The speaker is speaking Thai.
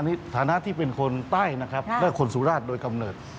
ในฐานะที่เป็นคนใต้นะครับและคนสุราชโดยกำเนิด